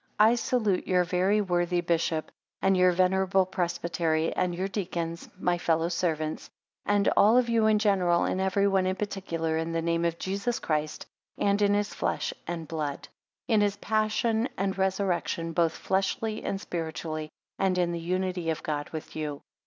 22 I salute your very worthy bishop, and your venerable presbytery; and your deacons, my fellow servants; and all of you in general, and every one in particular, in the name of Jesus Christ, and in his flesh and blood; in his passion and resurrection both fleshly and spiritually; and in the unity of God with you.